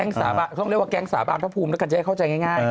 เขาเรียกว่าแก๊งสาบานพระภูมิแล้วกันจะได้เข้าใจง่าย